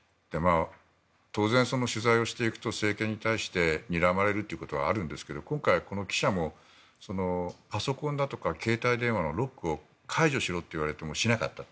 当然、取材をしていくと政権に対してにらまれるということはあるんですが今回、この記者もパソコンだとか携帯電話のロックを解除しろと言われてもしなかった。